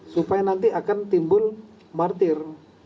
supaya nanti akan timbul martir